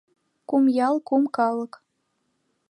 Кум ял — кум калык.